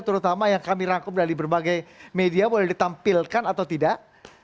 terutama yang kami rangkum dari berbagai media boleh ditampilkan atau tidak